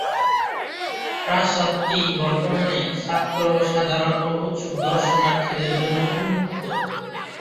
প্রাসাদটি বর্তমানে ছাত্র, সাধারণ ও উৎসুক দর্শনার্থীদের জন্য উন্মুক্ত।